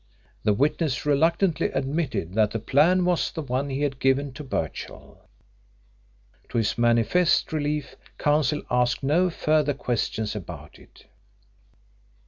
The witness reluctantly admitted that the plan was the one he had given to Birchill. To his manifest relief Counsel asked no further questions about it.